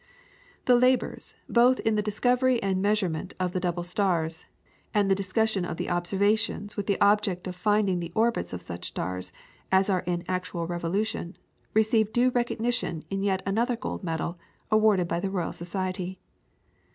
The labours, both in the discovery and measurement of the double stars, and in the discussion of the observations with the object of finding the orbits of such stars as are in actual revolution, received due recognition in yet another gold medal awarded by the Royal Society.